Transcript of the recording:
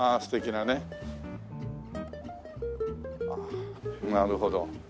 なるほど。